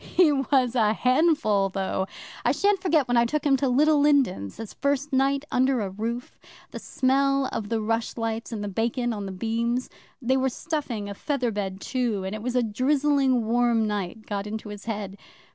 He was a handful, though! I shan't forget when I took him to Little Lindens his first night under a roof. The smell of the rushlights and the bacon on the beams they were stuffing a feather bed too, and it was a drizzling warm night got into his head.